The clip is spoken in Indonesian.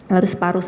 lalu separuh saya